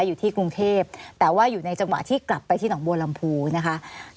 อยู่ที่กรุงเทพแต่ว่าอยู่ในจังหวะที่กลับไปที่หนองบัวลำพูนะคะ